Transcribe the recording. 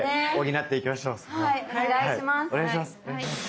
はいお願いします。